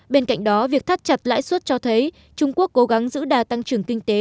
bên cạnh đó việc thắt chặt lãi suất cho thấy trung quốc cố gắng giữ đà tăng trưởng kinh tế